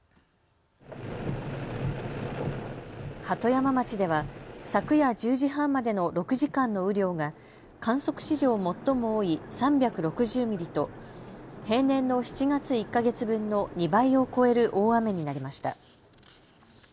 鳩山町では昨夜１０時半までの６時間の雨量が観測史上最も多い３６０ミリと平年の７月１か月分の２倍を超える大雨になりました。